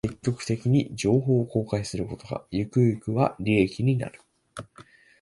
積極的に情報を公開することが、ゆくゆくは利益になる